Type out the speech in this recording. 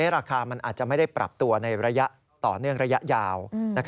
ราคามันอาจจะไม่ได้ปรับตัวในระยะยาว